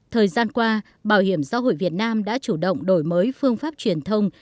thời gian qua bảo hiểm xã hội việt nam đã chủ động đổi mới phương pháp truyền thông